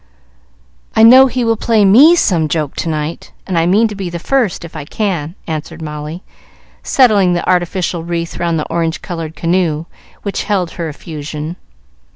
I know he will play me some joke to night, and I mean to be first if I can," answered Molly, settling the artificial wreath round the orange colored canoe which held her effusion.